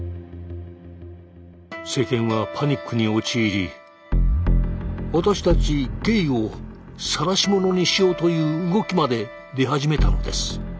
世間はパニックに陥り私たちゲイをさらし者にしようという動きまで出始めたのです。